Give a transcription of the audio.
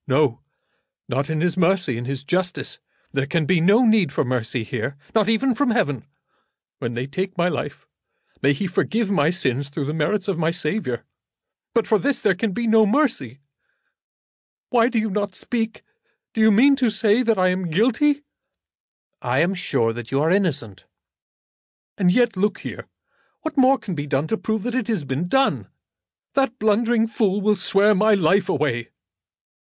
"No; not in His mercy; in His justice. There can be no need for mercy here, not even from Heaven. When they take my life may He forgive my sins through the merits of my Saviour. But for this there can be no mercy. Why do you not speak? Do you mean to say that I am guilty?" "I am sure that you are innocent." "And yet, look here. What more can be done to prove it than has been done? That blundering fool will swear my life away."